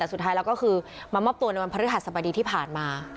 สุดท้ายแล้วก็คือมามอบตัวตรงวันพฤศบรรดีที่ผ่านมา